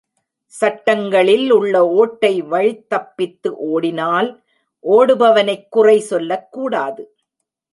சட்டங்களில் உள்ள ஒட்டை வழித் தப்பித்து ஓடினால் ஓடுபவனைக் குறை சொல்லக் கூடாது.